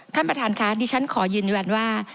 ท่านประธานค่ะที่ฉันขอยืนอย่างนั้นว่า